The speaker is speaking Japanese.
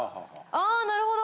あなるほど！